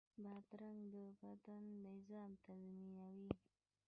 بادرنګ د بدن نظام تنظیموي.